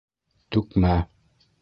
— Түкмә!